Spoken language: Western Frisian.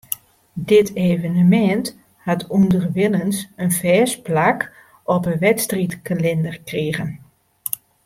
Dit evenemint hat ûnderwilens in fêst plak op 'e wedstriidkalinder krigen.